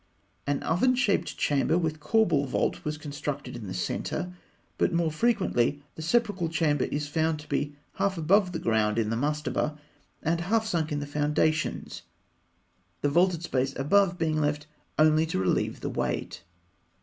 An oven shaped chamber with "corbel" vault was constructed in the centre (fig. 144); but more frequently the sepulchral chamber is found to be half above ground in the mastaba and half sunk in the foundations, the vaulted space above being left only to relieve the weight (fig.